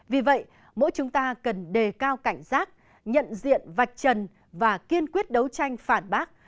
vì vậy mỗi chúng ta cần đề cao cảnh giác nhận diện vạch trần và kiên quyết đấu tranh phản bác